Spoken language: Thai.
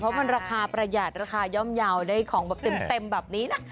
เพราะมันราคาประหยัดราคาย่อมเยาว์ได้ของแบบเต็มแบบนี้นะ